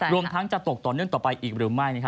รวมทั้งจะตกต่อเนื่องต่อไปอีกหรือไม่